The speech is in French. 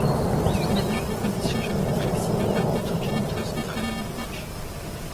La même composition géométrique s'y développe autour d’une étoile centrale à huit branches.